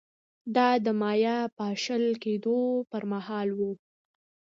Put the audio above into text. دا د مایا پاشل کېدو پرمهال و